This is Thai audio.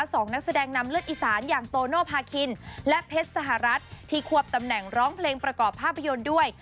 สองนักแสดงนำเลือดอีสานอย่างโตโนภาคินและเพชรสหรัฐที่ควบตำแหน่งร้องเพลงประกอบภาพยนตร์ด้วย